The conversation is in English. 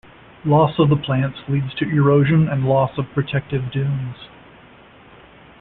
Loss of the plants leads to erosion and loss of protective dunes.